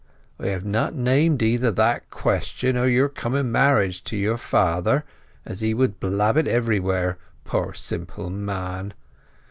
J have not named either that Question or your coming marriage to your Father, as he would blab it everywhere, poor Simple Man.